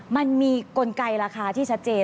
มันมีกลไกราคาที่ชัดเจน